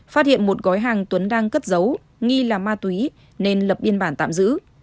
phát hiện một gói hàng tuấn đang cất giấu nghi là ma túy nên lập biên bản tạm giữ